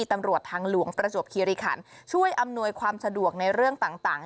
ตำรวจทางหลวงประจวบคิริขันช่วยอำนวยความสะดวกในเรื่องต่าง